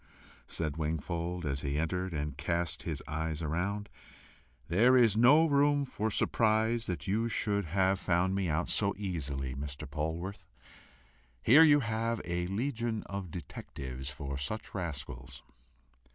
said Wingfold, as he entered and cast his eyes around, "there is no room for surprise that you should have found me out so easily, Mr. Polwarth! Here you have a legion of detectives for such rascals."